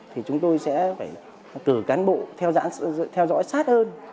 thì chúng tôi sẽ phải cử cán bộ theo dõi sát hơn